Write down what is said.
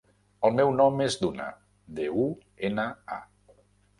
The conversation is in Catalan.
El meu nom és Duna: de, u, ena, a.